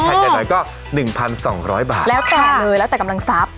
ปัญหาหน่อยก็หนึ่งพันสองร้อยบาทแล้วฝ่าเงินเวลาตั้งแต่กำลังซ้ำ